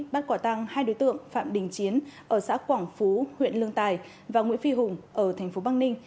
bắt quả tăng hai đối tượng phạm đình chiến ở xã quảng phú huyện lương tài và nguyễn phi hùng ở tp bắc ninh